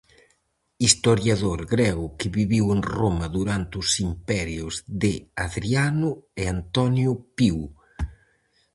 Historiador grego que viviu en Roma durante os imperios de Adriano e Antonio Pío.